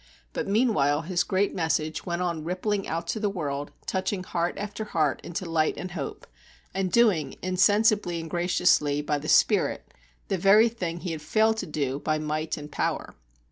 But meanwhile his great message went on rippling out to the world, touching heart after heart into light and hope, and doing, insensibly and graciously, by the spirit, the very thing he had failed to do by might and power.